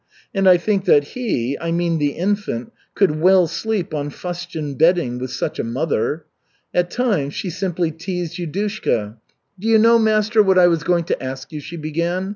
And I think that he, I mean the infant, could well sleep on fustian bedding with such a mother." At times she simply teased Yudushka. "Do you know, master, what I was going to ask you?" she began.